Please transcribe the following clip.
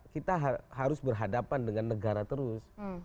kita harus berhadapan dengan negara terus